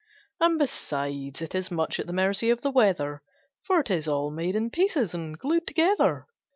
And, besides, it is much at the mercy of the weather For 'tis all made in pieces and glued together!